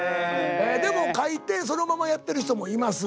でも書いてそのままやってる人もいます。